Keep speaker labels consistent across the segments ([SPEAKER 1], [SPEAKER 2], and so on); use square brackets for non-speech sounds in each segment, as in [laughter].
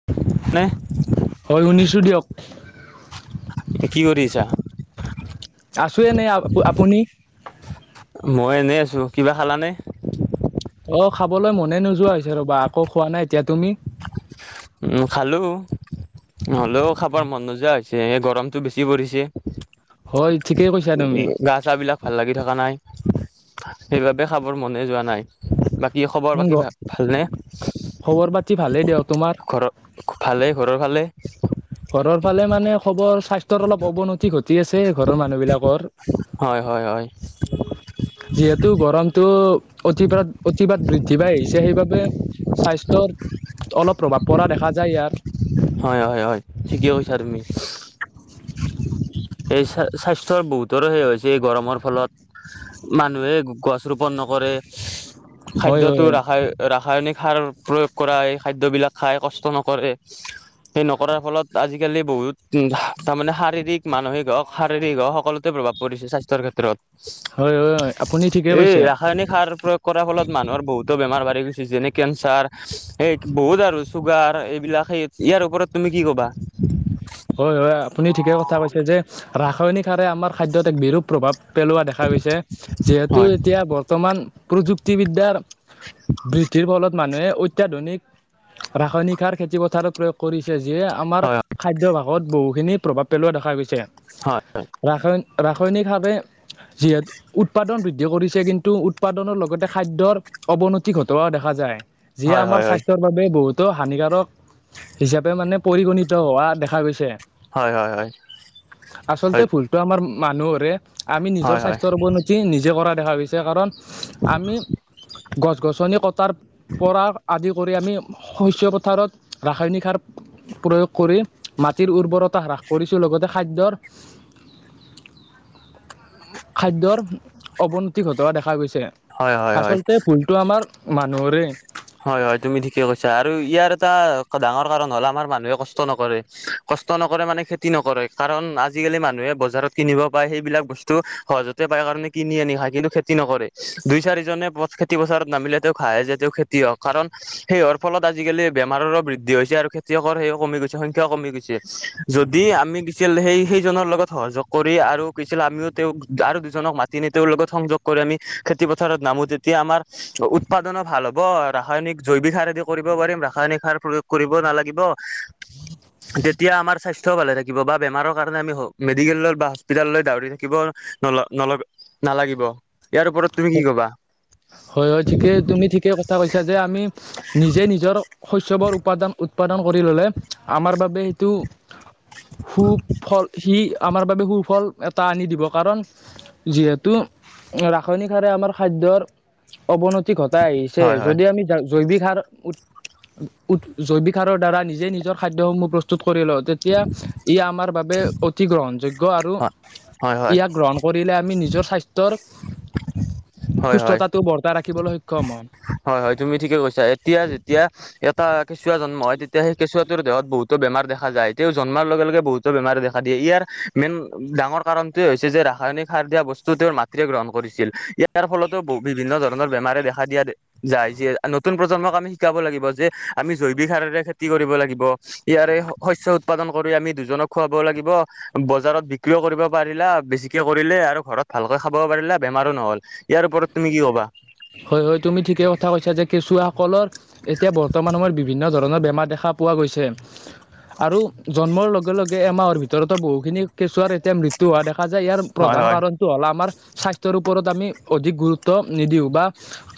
[SPEAKER 1] [inaudible]
[SPEAKER 2] হয় শুনিছোঁ দিয়ক।
[SPEAKER 1] কি কৰি আছা?
[SPEAKER 2] আছো এনে আ আপুনি?
[SPEAKER 1] মই এনেই আছো, কিবা খালানে?
[SPEAKER 2] অ, খাবলৈ মনে নোযোৱা হৈছে ৰ'বা আকৌ খোৱা নাই এতিয়া তুমি?
[SPEAKER 1] উম, খালো, হ'লেও খাবৰ মন নোযোৱা হৈছে। গৰমটো বেছি পৰিছে
[SPEAKER 2] হয় ঠিকেই কৈছা তুমি
[SPEAKER 1] গা-চা বিলাক ভাল লাগি থকা নাই, সেইবাবে খাবৰ মনে যোৱা নাই। বাকী খবৰ
[SPEAKER 2] উম,
[SPEAKER 1] পাতি ভা
[SPEAKER 2] ঘ-
[SPEAKER 1] ভালনে?
[SPEAKER 2] খবৰ পাতি ভালেই দিয়ক, তোমাৰ?
[SPEAKER 1] ভালে, ঘৰৰ ফালে?
[SPEAKER 2] ঘৰৰ ফালে মানে খবৰ স্বাস্থ্যৰ অলপ অৱনতি ঘটি আছে ঘৰৰ মানুহ বিলাক কৰ,
[SPEAKER 1] হয় হয় হয়
[SPEAKER 2] যিহেতু গৰমটো অতিপাত-অতিপাত বৃদ্ধি পাই আহিছে সেইবাবে স্বাস্থ্য অলপ প্ৰভাৱ পৰা দেখা যায় ইয়াৰ।
[SPEAKER 1] হয়, হয়, হয়, ঠিকে কৈছা তুমি। এই চা স্বাস্থ্যৰ বহুতৰো সেই হৈ এই গৰমৰ ফলত মানুহে গছ ৰোপন নকৰে।
[SPEAKER 2] হয় হয়
[SPEAKER 1] খাদ্যতো ৰাসা ৰাসায়নিক সাৰ প্ৰয়োগ কৰা এই খাদ্যবিলাক খাই কষ্ট নকৰে।
[SPEAKER 2] [inaudible]
[SPEAKER 1] সেই নকৰাৰ ফলত আজিকালি বহুত উ তাৰ মানে শাৰীৰিক, মানসিক হওক, শাৰীৰিক হওক, সকলোতে প্ৰভাৱ পৰিছে স্বাস্থ্যৰ ক্ষেত্ৰত।
[SPEAKER 2] হয়, হয়, আপুনি ঠিকে
[SPEAKER 1] এই
[SPEAKER 2] কৈছে।
[SPEAKER 1] ৰাসায়নিক সাৰ প্ৰয়োগ কৰাৰ ফলত মানুহৰ বহুতো বেমাৰ বাঢ়ি গৈছে যেনে কেঞ্চাৰ এই বহুত আৰু। চুগাৰ এইবিলাক সেই ইয়াৰ ওপৰত তুমি কি ক'বা।
[SPEAKER 2] হয়, হয়, আপুনি ঠিকে কথা কৈছে যে ৰাসায়নিক সাৰে আমাৰ খাদ্যত এক বিৰূপ প্ৰভাৱ পেলোৱা দেখা গৈছে, যিহেতু
[SPEAKER 1] হয়
[SPEAKER 2] এতিয়া বৰ্তমান প্ৰযুক্তিবিদ্যাৰ বৃদ্ধিৰ ফলত মানুহে অত্যাধুনিক ৰাসায়নিক সাৰ খেতিপথাৰত প্ৰয়োগ কৰিছে যিয়ে আমাৰ
[SPEAKER 1] হয়
[SPEAKER 2] খাদ্যভাগত বহুখিনি প্ৰভাৱ পেলোৱা দেখা গৈছে।
[SPEAKER 1] হয়
[SPEAKER 2] ৰাসা ৰাসায়নিকভাৱে যিহেতু উৎপাদন বৃদ্ধি কৰিছে কিন্তু উৎপাদনৰ লগতে খাদ্য অৱনতি ঘটোৱা দেখা যায়। যিয়ে আমাৰ
[SPEAKER 1] হয় হয়
[SPEAKER 2] স্বাস্থ্যৰ বাবে বহুতো হানিকাৰক হিচাপে মানে পৰিগণিত হোৱা দেখা গৈছে। [inaudible]
[SPEAKER 1] হয়, হয়, হয়।
[SPEAKER 2] আচলতে
[SPEAKER 1] হয়
[SPEAKER 2] ভুলতো আমাৰ মানুহৰে, আমি নিজৰ
[SPEAKER 1] হয় হয় হয়
[SPEAKER 2] স্বাস্থ্যৰ অৱনতি নিজে কৰা দেখা গৈছে কাৰণ আমি গছ গছনি কটাৰ পৰা আদি কৰি আমি শস্য পথাৰত ৰাসায়নিক সাৰ প্ৰয়োগ কৰি টিৰ উৰ্বৰতা হ্ৰাস কৰিছো। লগতে খাদ্যৰ খাদ্যৰ অৱনতি ঘটোৱা দেখা গৈছে।
[SPEAKER 1] হয় হয় হয়
[SPEAKER 2] আচলতে ভুলটো আমাৰ মানুহৰে।
[SPEAKER 1] হয়, হয় তুমি ঠিকে কৈছা। আৰু ইয়াৰ এটা ডাঙৰ কাৰণ হ'ল আমাৰ মানুহে কষ্ট নকৰে। কষ্ট নকৰে মানে খেতি নকৰে, কাৰণ আজিকালি মানুহে বজাৰত কিনিব পায়। সেইবিলাক বস্তু টো সহজতে পাই কাৰণে কিনি আনি খায়, কিন্তু খেতি নকৰে। দুই চাৰিজনে পথ খেতি খেতি পথাৰত নামিলে তেওঁ খায়ে যে তেওঁ খেতিয়ক হওঁক। কাৰণ সেই হোৱাৰ ফলত আজিকালি বেমাৰৰো বৃদ্ধি হৈছে আৰু খেতিয়কৰ সেইয়াও কমি গৈছে সংখ্যাও কমি গৈছে। যদি আমি কি আছিল সেই সেইজনৰ লগত সহযোগ কৰি আৰু কি আছিলে আমিও তেওঁক আৰু দুজনক মা নে তেওঁৰ লগত সংযোগ কৰি আমি খেতি পথাৰত নামো তেতিয়া আমাৰ উৎপাদনো ভাল হ'ব। ব ৰাসায়নিক জৈৱিক সাৰ এ কৰিব পাৰিম ৰাসায়নিক সাৰ প্ৰয়োগ কৰিব নালাগিব তেতিয়া আমাৰ স্বাস্থ স্বাস্থ ভালে থাকিব বা বেমাৰৰ কাৰণে আমি মেডিকেল বা হস্পিতাললৈ দাৰি থাকিব ন নালাগিব ইয়াৰ ওপৰত তুমি কি ক'বা?
[SPEAKER 2] হয়, হয় ঠিকেই তুমি ঠিকে কথা কৈছা, যে আমি নিজে নিজৰ শস্যবোৰ উৎপাদান উৎপাদন কৰি ল'লে আমাৰ বাবে সেইটো সুফল সি আমাৰ বাবে সুফল এটা আনি দিব। কাৰণ যিহেতু ৰাসায়নিক সাৰে আমাৰ খাদ্যৰ অৱনতি ঘটাই আহিছে।
[SPEAKER 1] হয় হয়
[SPEAKER 2] যদি আমি জৈৱিক সাৰ উ জৈৱিক সাৰৰ দ্বাৰা নিজে নিজৰ খাদ্যসমূহ প্ৰস প্ৰস্তুত কৰি লওঁ, তেতিয়া ই আমাৰ বাবে অতি গ্ৰহণযোগ্য আৰু
[SPEAKER 1] হয় হয় হয়
[SPEAKER 2] ইয়াক গ্ৰহণ কৰিলে আমি নিজৰ স্বাস্থ্যৰ
[SPEAKER 1] হয় হয়
[SPEAKER 2] সুস্থতাটো বৰ্তাই ৰাখিবলৈ সক্ষম হয়।
[SPEAKER 1] হয়, হয় তুমি ঠিকে কৈছা। এতিয়া যেতিয়া এটা কেঁচুৱা জন্ম হয় তেতিয়া সেই কেঁচুৱা ৰ দেহত বহুত বেমাৰ দেখা যায়, তেওঁ জন্মাৰ লগে লগে বহুতো বেমাৰে দেখা দিয়ে ইয়াৰ মেইন ডাঙৰ কাৰণ তোৱে হৈছে যে ৰাসায়নিক সাৰ দিয়া বস্তু তেওঁৰ মাতৃয়ে গ্ৰহণ কৰিছিল। ইয়াৰ ফলতো বিভিন্ন ধৰণৰ বেমাৰে দেখা দিয়া যায়। যিয়ে নতুন প্ৰজন্মক আমি শিকাব লাগিব যে আমি জৈৱিক সাৰৰে খেতি কৰিব লাগিব। ইয়াৰে শস্য উৎপাদন কৰি আমি দুজনক খুৱাব লাগিব বজাৰত বিক্ৰীও কৰিব পাৰিলা, বেছিকে কৰিলে আৰু ঘৰত ভালকৈ খাব পাৰিলা বেমাৰো নহ'ল। ইয়াৰ ওপৰত তুমি কি ক'বা?
[SPEAKER 2] হয়, হয় তুমি ঠিকেই কথা কৈছা। যে কেঁচুৱাসকলৰ এতিয়া বৰ্তমান সময়ত বিভিন্ন ধৰণৰ বেমাৰ দেখা পোৱা গৈছে। আৰু জন্মৰ লগে লগে এমাহৰ ভিতৰতে বহুখিনি কেঁচুৱাৰ এতিয়া মৃত্যু তু হোৱা দেখা যায়। ইয়াৰ
[SPEAKER 1] হয়
[SPEAKER 2] প্ৰধান
[SPEAKER 1] হয়
[SPEAKER 2] কাৰণটো হ'ল আমাৰ স্বাস্থ্যৰ ওপৰত আমি অধিক গুৰুত্ব নিদিওঁ। বা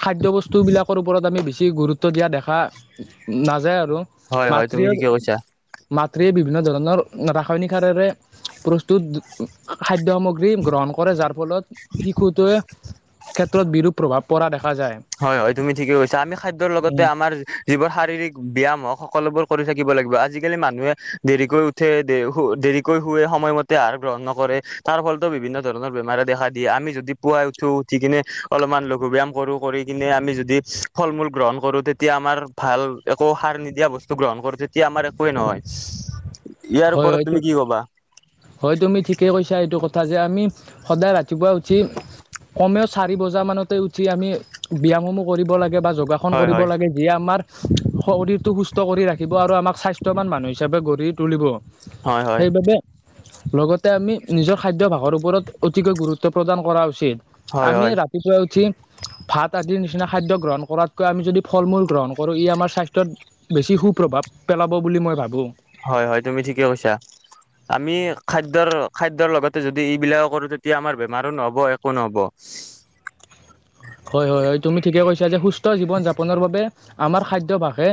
[SPEAKER 2] খাদ্য বস্তুবিলাকৰ ওপৰত আমি বেছি গুৰুত্ব দিয়া দেখা নাযায় আৰু
[SPEAKER 1] হয় হয় তুমি
[SPEAKER 2] মাতৃৰ
[SPEAKER 1] ঠিকে কৈছা
[SPEAKER 2] মাতৃয়ে বিভিন্ন ধৰণৰ ৰাসায়নিক সাৰেৰে প্ৰস্তুত খাদ্য সামগ্ৰী গ্ৰহণ কৰে যাৰ ফলত শিশুটোৱে ক্ষেত্ৰত বিৰূপ প্ৰভাৱ পৰা দেখা যায়।
[SPEAKER 1] হয়, হয় তুমি ঠিকে কৈছা। আমি খাদ্যৰ লগতে
[SPEAKER 2] উম
[SPEAKER 1] আমাৰ যিবোৰ শাৰীৰিক ব্যায়াম হওঁক সকলোবোৰ কৰি থাকিব লাগিব। আজিকালি মানুহে দেৰিকৈ উঠে দেৰিকৈ শুৱে সময়মতে আহাৰ গ্ৰহণ নকৰে তাৰ ফলতো বিভিন্ন ধৰণৰ বেমাৰে দেখা দিয়ে। আমি যদি পুৱাই উঠো, উঠি কিনে অলপমান লঘু ব্যায়াম কৰো কৰি কিনে আমি যদি ফল মূল গ্ৰহণ কৰো, তেতিয়া আমাৰ ভাল একো সাৰ নিদিয়া বস্তু গ্ৰহণ কৰো তেতিয়া আমাৰ একোৱেই নহয়। ইয়াৰ
[SPEAKER 2] হয়,
[SPEAKER 1] ওপৰত
[SPEAKER 2] হয়টো
[SPEAKER 1] তুমি কি কবা
[SPEAKER 2] হয় তুমি ঠিকেই কৈছা। এইটো কথা যে আমি সদায় ৰা ৰাতিপুৱা উঠি কমেও চাৰি বজাৰ মানতে উঠি আমি ব্যায়ামসমূহ কৰিব লাগে বা যোগাস সণ
[SPEAKER 1] হয়
[SPEAKER 2] কৰিব
[SPEAKER 1] হয়
[SPEAKER 2] লাগে, যিয়ে আমাৰ শৰীৰটো সুস্থ কৰি ৰাখিব আৰু আমাক স্বাস্থ্যৱান মানুহ হিচাপে গঢ়ি তুলিব।
[SPEAKER 1] হয় হয়
[SPEAKER 2] সেইবাবে লগতে আমি নিজৰ খাদ্যাভাসৰ ওপৰত অতিকৈ গুৰুত্ব প্ৰদান কৰা উচিত।
[SPEAKER 1] হয়
[SPEAKER 2] আমি
[SPEAKER 1] হয়
[SPEAKER 2] ৰাতিপুৱাই উঠি ভাত আদিৰ নিচিনা খাদ্য গ্ৰহণ কৰাতকৈ আমি যদি ফল-মূল গ্ৰহণ কৰোঁ, ই আমাৰ স্বাস্থ্যত বেছি সুপ্ৰভাৱ পেলাব বুলি মই ভাবোঁ।
[SPEAKER 1] হয়। হয়। তুমি ঠিকে কৈছা। আমি খাদ্যৰ -খাদ্যৰ লগতে যদি ইবিলাকো কৰো, তেতিয়া আমাৰ বেমাৰো নহ'ব। একো নহ'ব।
[SPEAKER 2] হয়। হয়। হয়। তুমি ঠিকে কৈছা যে সুস্থ জীৱন-যাপনৰ বাবে আমাৰ খাদ্যভাসে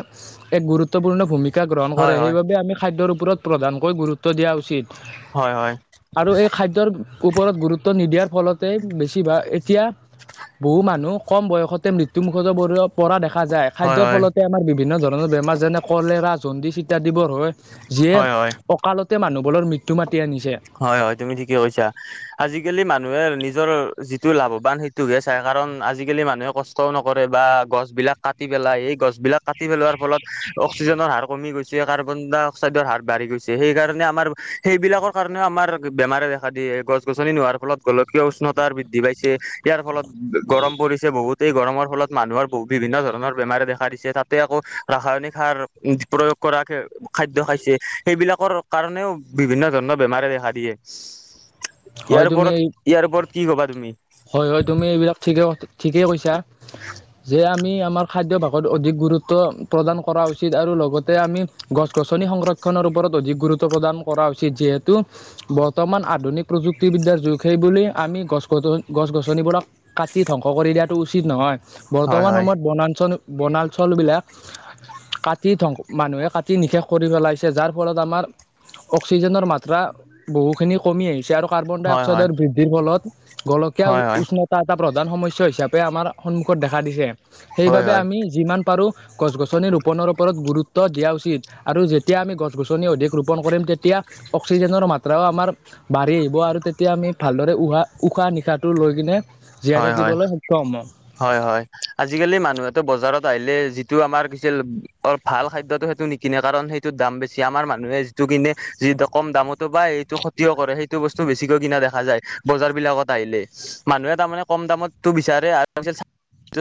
[SPEAKER 2] এক গুৰুত্বপূৰ্ণ ভূমিকা গ্ৰহণ কৰে।
[SPEAKER 1] হয় হয়
[SPEAKER 2] সেইবাবে আমি খাদ্যৰ ওপৰত প্ৰধানকৈ গুৰুত্ব দিয়া উচিত।
[SPEAKER 1] হয়। হয়।
[SPEAKER 2] [unintelligible] ওপৰত গুৰুত্ব নিদিয়াৰ ফলতে বেছিভাগ এতিয়া বহু মানুহ কম বয়সতে মৃত্যুমুখতো পৰিব, পৰা দেখ -খা যায়।
[SPEAKER 1] হয়
[SPEAKER 2] খাদ্যৰ
[SPEAKER 1] হয়
[SPEAKER 2] ফলতে আমাৰ বিভিন্ন ধৰণৰ বেমাৰ যেনে কলেৰা, জণ্ডিচ ইত্যাদিবোৰ হৈ যিয়ে
[SPEAKER 1] হয় হয়।
[SPEAKER 2] অকালতে মানুহবোৰৰ মৃত্যু মাতি আনিছে।
[SPEAKER 1] হয়। হয়। তুমি ঠিকে কৈছা। আজিকালি মানুহে নিজৰ যিটো লাভৱান সেইটোকহে চায়, কাৰণ আজিকালি মানুহে কষ্ট -ষ্টও নকৰে বা গছ বিলাক কাটি পেলায়। সেই গছবিলাক কাটি পেলোৱাৰ ফলত অক্সিজেনৰ হাৰ কমি গৈছে কাৰ্বন-ডাই-অক্সাইডৰ হাৰ বাঢ়ি গৈছে। সেইকাৰণে আমাৰ সেইবিলাক -ৰ কাৰণেও আমাৰ বেমাৰে দেখা দিয়ে। গছ-গছনি নোহোৱাৰ ফলত গোলকীয় উষ্ণতা বৃদ্ধি পাইছে। ইয়াৰ ফলত গৰম পৰিছে বহুত। এই গৰমৰ ফলত মানুহৰ বহ- বিভিন্ন ধৰণৰ বেমাৰে দেখা দিছে। তাতে আকৌ ৰাসায়নিক সাৰ প্ৰয়োগ কৰাক খাদ্য খাইছে। সেইবিলাকৰ কাৰণেও বিভিন্ন ধৰণৰ বেমাৰে দেখা দিয়ে। ইয়াৰ
[SPEAKER 2] হয় তুমি
[SPEAKER 1] ওপৰত -ইয়াৰ ওপৰত কি কবা তুমি?
[SPEAKER 2] হয়। হয়। তুমি এইবিলাক ঠিকে, ঠিকেই কৈছা। যে আমি আমাৰ খাদ্যভাসত অধিক গুৰুত্ব প্ৰদান কৰা উচিত। আৰু লগতে আমি গছ-গছনি সংৰক্ষনৰৰ ওপৰত অধিক গুৰুত্ব প্ৰদান কৰা উচিত। যিহেতু বৰ্তমান আধুনিক প্ৰযুক্তিবিদ্যাৰ যুগ। সেই বুলি আমি গছ-গছনি গছ-গছনিবোৰক কাটি ধ্বংস কৰি দিয়াটো উচিত নহয়।
[SPEAKER 1] হয়
[SPEAKER 2] বৰ্তমান
[SPEAKER 1] হয়
[SPEAKER 2] সময়ত বনাঞ্চল বনাঞ্চলবিলাক কাটি ধং, মানুহে কাটি নিশেষ কৰি পেলাইছে। যাৰ ফলত আমাৰ অক্সিজেনৰ মাত্ৰা বহুখিনি কমি আহিছে। আৰু কাৰ্বন-ডাই-
[SPEAKER 1] হয় হয়
[SPEAKER 2] অক্সাইডৰ বৃদ্ধিৰ ফলত গোলকীয়া
[SPEAKER 1] হয় হয়
[SPEAKER 2] উষ্ণ -তা এটা প্ৰধান সমস্যা হিচাপে আমাৰ সন্মুখত দেখা দিছে।
[SPEAKER 1] হয়
[SPEAKER 2] সেইবাবে
[SPEAKER 1] হয়
[SPEAKER 2] আমি যিমান পাৰোঁ গছ-গছনি ৰোপণৰ ওপৰত গুৰুত্ব দিয়া উচিত। আৰু যেতিয়া আমি গছ-গছনি অধিক ৰোপণ কৰিম, তেতিয়া অক্সিজেনৰ মাত্ৰাও আমাৰ বাঢ়ি আহিব। আৰু তেতিয়া আমি ভালদৰে উহা- উশাহ -নিশাহ -টো লৈ কিনে জীয়াই
[SPEAKER 1] হয় হয়
[SPEAKER 2] থাকিবলৈ সক্ষম হম।
[SPEAKER 1] হয়। হয়। আজিকালি মানুহেতো বজাৰত আহিলে, যিটো আমাৰ কি আছিল, ভাল খাদ্যটো সেইটো নিক -কিনে কাৰণ সেইটোত দাম বেছি। আমাৰ মানুহে যিটো কিনে যি কম দামতো পাই, এইটো [unintelligible] কৰে সেইটো বস্তু বেছিকৈ কিনা দেখা যায়। বজাৰ বিলাকত আহিলে। মানুহে তাৰমানে কম দামতটো বিচাৰে আৰু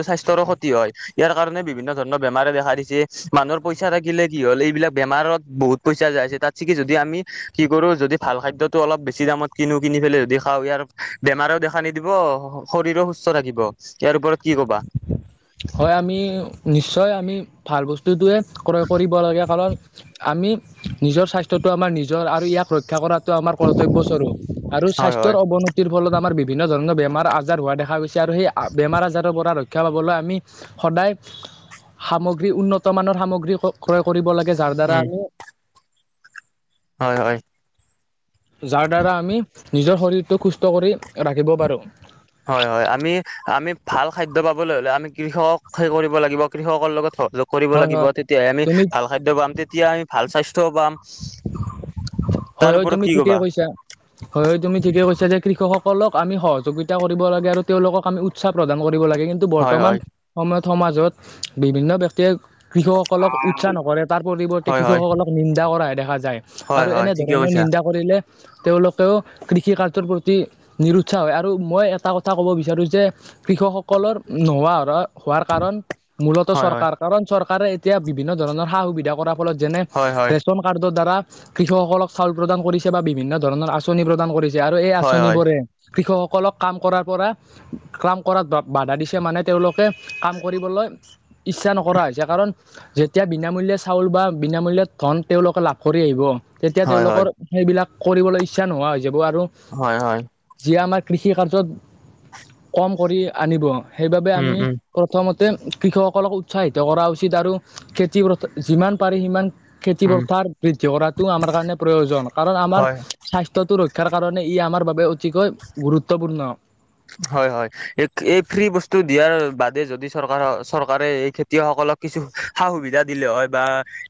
[SPEAKER 1] স্বাস্থ্যৰো ক্ষতি হয়। ইয়াৰ কাৰণে বিভিন্ন ধৰণৰ বেমাৰে দেখা দিছে। মানুহৰ পইচা থাকিলে কি হল, এইবিলাক বেমাৰত বহুত পইচা যাই আছে। তাত ছিকি যদি আমি, কি কৰো যদি ভাল খাদ্যটো অলপ বেছি দামত কিনো, কিনি পেলাই যদি খাওঁ ইয়াৰ বেমাৰেও দেখা নিদিব। শৰীৰো সুস্থ ৰাখিব। ইয়াৰ ওপৰত কি কবা?
[SPEAKER 2] হয় আমি, নিশ্চয় আমি ভাল বস্তুটোৱে ক্ৰয় কৰিব লাগে। কাৰণ আমি নিজৰ স্বাস্থ্যটো আমাৰ নিজৰ, আৰু ইয়াক ৰক্ষা কৰাত -তো আমাৰ কৰ্তব্যস্বৰূপ। আৰু
[SPEAKER 1] হয়
[SPEAKER 2] স্বাস্থ্যৰ
[SPEAKER 1] হয়
[SPEAKER 2] অৱনতিৰ ফলত আমাৰ বিভিন্ন ধৰণৰ বেমাৰ-আজাৰ হোৱা দেখা গৈছ -ছে আৰু সেই বেমাৰ-আজাৰৰ পৰা ৰক্ষা পাবলৈ আমি সদায় সামগ্ৰী, উন্নতমানৰ সামগ্ৰী ক্ৰ- ক্ৰয় কৰিব লাগে। যাৰ দ্বাৰা
[SPEAKER 1] উম
[SPEAKER 2] আমি
[SPEAKER 1] হয়। হয়।
[SPEAKER 2] যাৰ দ্বাৰা আমি নিজৰ শৰীৰটো সুস্থ কৰি ৰাখিব পাৰোঁ।
[SPEAKER 1] হয়, হয় আমি আমি ভাল খাদ্য পাবলৈ হ'লে আমি কৃষকক, সেই কৰিব লাগিব কৃষকৰ লগত লগ কৰিব
[SPEAKER 2] হয়
[SPEAKER 1] লাগিব
[SPEAKER 2] হয়
[SPEAKER 1] তেতিয়াহে আমি
[SPEAKER 2] তুমি
[SPEAKER 1] ভাল খাদ্য পাম, তেতিয়া আমি ভাল স্বাস্থ্যও পাম।
[SPEAKER 2] হয়,
[SPEAKER 1] তাৰ
[SPEAKER 2] হয়,
[SPEAKER 1] ওপৰত
[SPEAKER 2] তুমি
[SPEAKER 1] কি
[SPEAKER 2] ঠিকেই
[SPEAKER 1] কবা
[SPEAKER 2] কৈছা। হয়, হয় তুমি ঠিকেই কৈছা যে কৃষকসকলক আমি সহযোগিতা কৰিব লাগে আৰু তেওঁলোকক আমি উৎসাহ প্ৰদান কৰিব লাগে, কি
[SPEAKER 1] হয়
[SPEAKER 2] বৰ্তমান
[SPEAKER 1] হয়
[SPEAKER 2] সময়ত সমাজত বিভিন্ন ব্যক্তিয়ে কৃষকসকলক উৎসাহ নকৰে তাৰ পৰিৱৰ্তে
[SPEAKER 1] হয় হয়
[SPEAKER 2] কৃষকসকলক নিন্দা কৰাহে দেখা যায়
[SPEAKER 1] হয়
[SPEAKER 2] আৰু
[SPEAKER 1] হয়
[SPEAKER 2] এনেধৰ
[SPEAKER 1] ঠিকে কৈছা
[SPEAKER 2] [inaudible] কৰিলে তেওঁলোকেও কৃষি কাৰ্যৰ প্ৰতি নিৰুৎসাহ হয় আৰু মই এটা কথা ক'ব বিচাৰোঁ যে কৃষকসকলৰ নোহোৱা হ'ৰা। হোৱাৰ কাৰণ মূলত
[SPEAKER 1] হয় হয়
[SPEAKER 2] চৰকাৰ কাৰণ চৰকাৰে এতিয়া বিভিন্ন ধৰণৰ সা-সুবিধা কৰা যেনে
[SPEAKER 1] হয় হয়
[SPEAKER 2] ৰেচন কাৰ্ডৰ দ্বাৰা কৃষকসকল চাউল প্ৰদান কৰিছে বা বিভিন্ন ধৰণৰ আঁচনি প্ৰদান কৰিছে আৰু এই
[SPEAKER 1] হয় হয়
[SPEAKER 2] আঁচনিবোৰে কৃষকসকলক কাম কৰাৰ পৰা কাম কৰাত বাধা দিছে মানে তেওঁলোকে কাম কৰিবলৈ ইচ্ছা নকৰা হৈছে, কাৰণ যেতিয়া বিনামূল্যে চাউল বা বিনামূল্যে ধন তেওঁলোকে লাভ কৰি আহিব, তেত তিয়া
[SPEAKER 1] হয় হয়
[SPEAKER 2] তেওঁলোকৰ সেইবিলাক কৰিবলৈ ইচ্ছা নোহোৱা হৈ যাব আৰু
[SPEAKER 1] হয়, হয়।
[SPEAKER 2] যিয়ে আমাৰ কৃষি কাৰ্যত কম কৰি আনিব সেইবাবে
[SPEAKER 1] উম
[SPEAKER 2] আমি
[SPEAKER 1] উম
[SPEAKER 2] প্ৰথমতে কৃষকসকলক উৎসাহিত কৰা উচিত আৰু খেতি যিমান পাৰি সিমান খেতি
[SPEAKER 1] উম
[SPEAKER 2] পথাৰ বৃদ্ধি কৰাটো আমাৰ কাৰণে প্ৰয়োজন কাৰণ আমাৰ
[SPEAKER 1] হয়
[SPEAKER 2] স্বাস্থ্যটো ৰক্ষাৰ কাৰণে ই আমাৰ বাবে অতিকৈ গুৰুত্বপূৰ্ণ।
[SPEAKER 1] হয়, হয় এই, এই ফ্ৰী-বস্তু দিয়াৰ বাদে যদি চৰকাৰ- চৰকাৰে এই খেতিয়কসকলক কিছু, সা-সুবিধা দিলে হৈ বা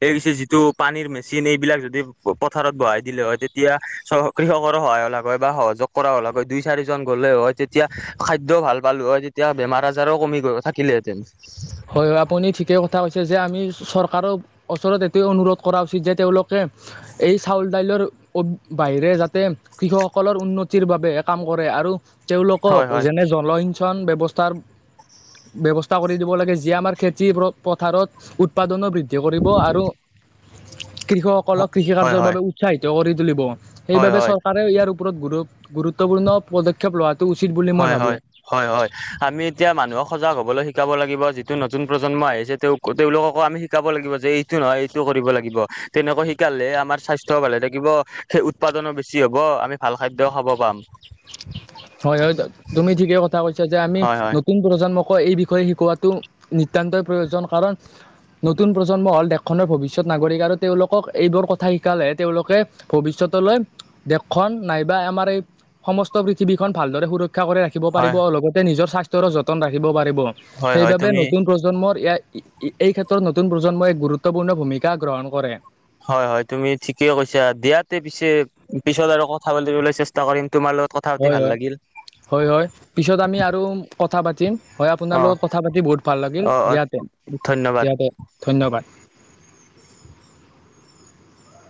[SPEAKER 1] এই যে, যিটো পানীৰ মেচিন এইবিলাক যদি পথাৰত বহাই দিলে হৈ তেতিয়া চ কৃষকৰ সহায় হলেহৈ, হয় বা সহযোগ কৰা হলাক হয়, দুই চাৰিজন গ'লে হয়। তেতিয়া খাদ্যও ভাল পালো হয়, তেতিয়া বেমাৰ আজাৰও কমি গৈ থাকিলেহেঁতেন।
[SPEAKER 2] হয়, হয় আপুনি ঠিকেই কথা কৈছে যে আমি চৰকাৰক ওচৰত এইটোৱে অনুৰোধ কৰা উচিত যে তেওঁলোকে এই চাউল দাইলৰ বাহিৰে, যাতে কৃষকসকলৰ উন্নতিৰ বাবেহে কাম কৰে আৰু তেওঁলোকক
[SPEAKER 1] হয় হয়
[SPEAKER 2] যেনে জলসিঞ্চন ব্যৱস্থাৰ, ব্যৱস্থা কৰি দিব লাগে। যিয়ে আমাৰ খেতি পথাৰত উৎপাদনো বৃদ্ধি কৰিব আৰু কৃষক
[SPEAKER 1] হয়
[SPEAKER 2] সকলক কৃষি
[SPEAKER 1] হয়
[SPEAKER 2] কাৰ্যৰ
[SPEAKER 1] হয়
[SPEAKER 2] বাবে উৎসাহিত কৰি তুলিব
[SPEAKER 1] হয়
[SPEAKER 2] সেইবাবে
[SPEAKER 1] হয়
[SPEAKER 2] চৰকাৰ ইয়াৰ ওপৰত গুৰু- গুৰুত্বপূৰ্ণ পদক্ষেপ লোৱাটো উচিত বুলি মই
[SPEAKER 1] হয়
[SPEAKER 2] ভাবো
[SPEAKER 1] হয় হয় হয় আমি এতিয়া মানুহক সজাগ হ'বলৈ শিকাব লাগিব, যিটো নতুন প্ৰজন্ম আহিছে তেওঁ তেওঁলোককো আমি শিকাব লাগিব যে এইটো নহয় এইটো কৰিব লাগিব, তেনেকুৱা শিকালে আমাৰ স্বাস্থ্য় ভালে থাকিব সেই উৎপাদনো বেছি হ'ব, আমি ভাল খাদ্যয়ও খাব পাম।
[SPEAKER 2] হয়, হয়, তুমি ঠিকে কথা কৈছা যে আমি
[SPEAKER 1] হয় হয়
[SPEAKER 2] নতুন প্ৰজন্ম। এই বিষয়ে শিকোৱাটো নিতান্তই প্ৰয়োজন কাৰণ। নতুন প্ৰজন্ম হ'ল দেশখনৰ ভৱিষ্যত নাগৰিক, আৰু তেওঁলোকক এইবোৰ কথা শিকালেে তেওঁলোকে ভৱিষ্যতলৈ দেশখন নাইবা আমাৰ এই সমস্ত পৃথিৱীখন ভালদৰে সুৰক্ষা কৰি ৰাখিব পাৰিব,
[SPEAKER 1] হয়
[SPEAKER 2] আৰু লগতে নিজৰ স্বাস্থ্যৰো যতন ৰাখিব পাৰিব।
[SPEAKER 1] হয় হয়
[SPEAKER 2] সেইবাবে
[SPEAKER 1] তুমি
[SPEAKER 2] নতুন প্ৰজন্মৰয় এই, ক্ষেত্ৰত নতুন প্ৰজন্মই গুৰুত্বপূৰ্ণ ভূমিকা গ্ৰহণ কৰে।
[SPEAKER 1] হয়, হয় তুমি ঠিকে কৈছা দিয়াতে পিছে পিছত আৰু কথা পাতিবলৈ চেষ্টা কৰিম, তোমাৰ লগত। কথা পাতি
[SPEAKER 2] হয়,
[SPEAKER 1] ভাল
[SPEAKER 2] হয়,
[SPEAKER 1] লাগিল
[SPEAKER 2] হয়, হয়, পিছত আমি আৰু কথা পাতিম। হয়, আপোনাৰ
[SPEAKER 1] অ
[SPEAKER 2] লগত কথা পাতি বহুত ভাল লাগিল
[SPEAKER 1] অ অ
[SPEAKER 2] দিয়া তে,
[SPEAKER 1] ধন্যবাদ
[SPEAKER 2] দিয়া তে, ধন্যবাদ।